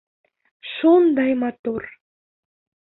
Шундай матур.